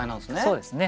そうですね。